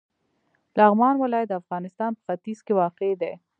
لغمان ولایت د افغانستان په ختیځ کې واقع دی.